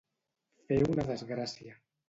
Fer una desgràcia.